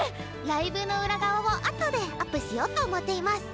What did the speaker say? ライブの裏側を後でアップしようと思っています。